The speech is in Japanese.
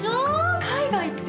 海外って？